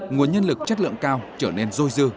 nguồn nhân lực chất lượng cao trở nên dôi dư